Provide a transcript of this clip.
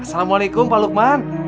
assalamualaikum pak lukman